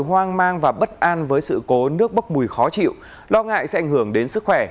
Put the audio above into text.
hoang mang và bất an với sự cố nước bốc mùi khó chịu lo ngại sẽ ảnh hưởng đến sức khỏe